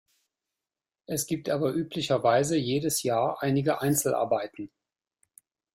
Es gibt aber üblicherweise jedes Jahr einige Einzelarbeiten.